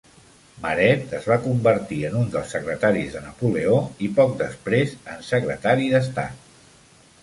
Maret es va convertir en un dels secretaris de Napoleó i poc després en secretari d'Estat.